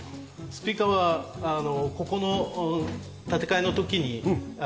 スピーカーはここの建て替えの時に購入しまして。